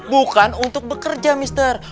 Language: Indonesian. bukan untuk bekerja mister